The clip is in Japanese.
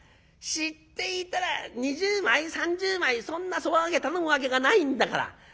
知っていたら２０枚３０枚そんなそば賭け頼むわけがないんだから。